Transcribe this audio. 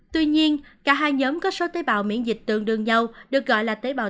tuy nhiên cả hai nhóm có số tế bào miễn dịch tương đương nhau được gọi là tế bào